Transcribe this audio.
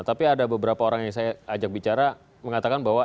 tapi ada beberapa orang yang saya ajak bicara mengatakan bahwa